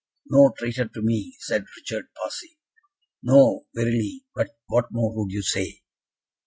"No traitor to me," said Richard, pausing. "No, verily, but what more would you say?"